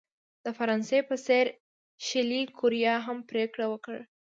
د فرانسې په څېر شلي کوریا هم پرېکړه وکړه.